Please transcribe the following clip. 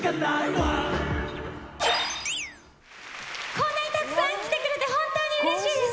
こんなにたくさん来てくれて本当にうれしいです。